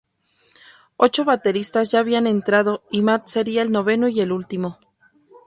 Ocho bateristas ya habían entrado y Matt sería el noveno y el último.